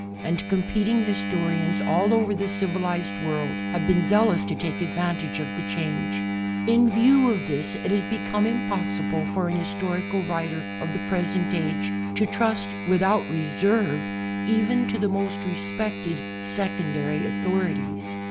And competing historians all over the civilized world have been zealous to take advantage of the change. In view of this it has become impossible for an historical writer of the present age to trust without reserve even to the most respected secondary authorities.